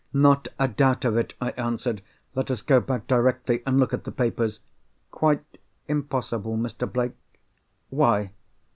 "Not a doubt of it!" I answered. "Let us go back directly, and look at the papers!" "Quite impossible, Mr. Blake." "Why?"